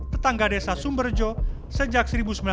tetangga desa sumberjo sejak seribu sembilan ratus sembilan puluh